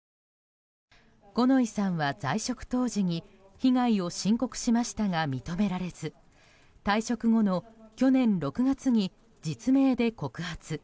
五ノ井さんは、在職当時に被害を申告しましたが認められず退職後の去年６月に実名で告発。